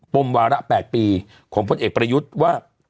มวาระ๘ปีของพลเอกประยุทธ์ว่า